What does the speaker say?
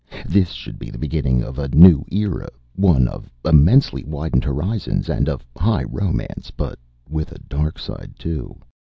This should be the beginning of a new era, one of immensely widened horizons, and of high romance but with a dark side, too.